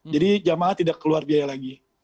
jadi jamaah tidak keluar biaya lagi